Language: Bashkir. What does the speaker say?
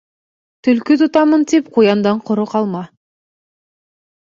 Төлкө тотамын тип, ҡуяндан ҡоро ҡалма.